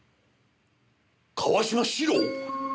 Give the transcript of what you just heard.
川島史郎！